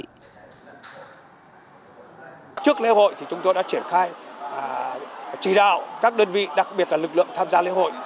trước lễ hội thì chúng tôi đã triển khai chỉ đạo các đơn vị đặc biệt là lực lượng tham gia lễ hội